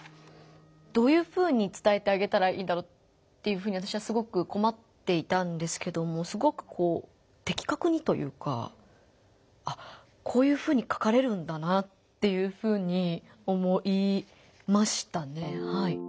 どういうふうにつたえてあげたらいいだろうっていうふうに私はすごく困っていたんですけどもすごくこう的確にというかあっこういうふうに書かれるんだなっていうふうに思いましたね。